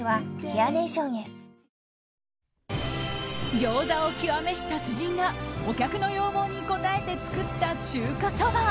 餃子を極めし達人がお客の要望に応えて作った中華ソバ。